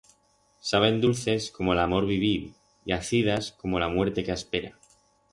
Saben dulces como l'amor viviu, y acidas como la muerte que aspera.